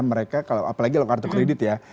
mereka kalau apalagi kalau kartu kredit ya